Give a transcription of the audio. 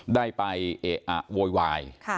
ได้ไปเอะอะโวยวาย